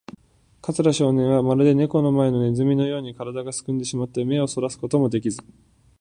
桂少年は、まるでネコの前のネズミのように、からだがすくんでしまって、目をそらすこともできず、